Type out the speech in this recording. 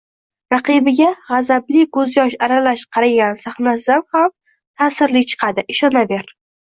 raqibiga g‘azabli ko‘zyosh aralash qaragan sahnasidan ham ta’sirli chiqadi, ishonaver.